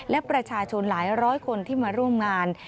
และประชาชนหลายร้อยคนที่มาร่วมงาน